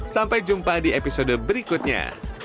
sampai jumpa di episode berikutnya